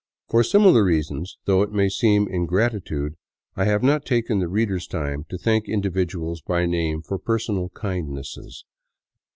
For similar reasons, though it may seem ingratitude, I have not taken the reader's time to thank individuals by name for personal kindnesses.